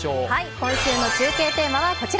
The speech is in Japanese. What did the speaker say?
今週の中継テーマはこちら。